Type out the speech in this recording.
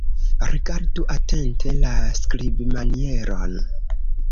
Rigardu atente la skribmanieron.